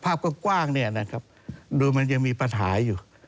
ภาพก็กว้างเนี่ยนะครับดูมันยังมีปัญหาอยู่